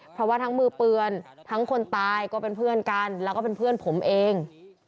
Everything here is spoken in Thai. เพราะว่าทั้งมือเปลือนทั้งคนตายก็เป็นเพื่อนกันแล้วก็เป็นเพื่อนผมเอง